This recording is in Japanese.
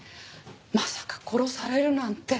まさか殺されるなんて。